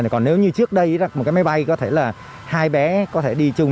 còn nếu như trước đây một cái máy bay có thể là hai bé có thể đi chung